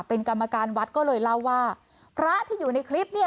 เป็นกรรมการวัดก็เลยเล่าว่าพระที่อยู่ในคลิปเนี่ย